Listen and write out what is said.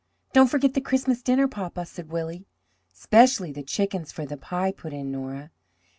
"Don't forget the Christmas dinner, papa," said Willie. '"Specially the chickens for the pie!" put in Nora.